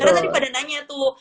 karena tadi pada nanya tuh